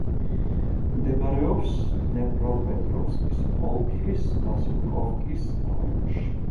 მდებარეობს დნეპროპეტროვსკის ოლქის ვასილკოვკის რაიონში.